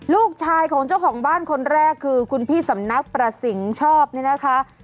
ลูกชายของเจ้าของบ้านคนแรกคือคุณพี่สำนักประสิงห์ชอบเนี่ยนะคะ